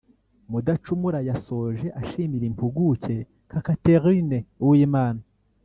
Mudacumura yasoje ashimira impuguke nka Katherine Uwimana